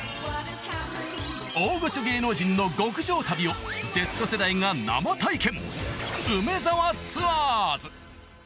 大御所芸能人の極上旅をＺ世代が生体験